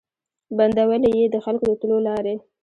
بندولې یې د خلکو د تلو لاري